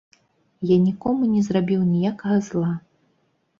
Я нікому не зрабіў ніякага зла.